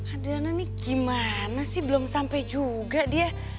adriana nih gimana sih belum sampe juga dia